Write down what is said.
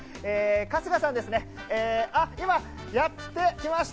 春日さんですね、あっ、今やってきました。